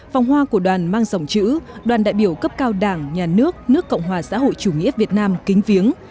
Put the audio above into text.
vòng hoa của đoàn mang dòng chữ đoàn đại biểu cấp cao đảng nhà nước nước cộng hòa xã hội chủ nghĩa việt nam kính viếng